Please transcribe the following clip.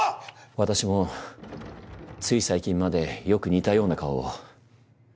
私もつい最近までよく似たような顔を。